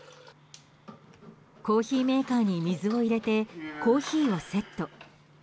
コーヒーメーカーに水を入れてコーヒーをセット。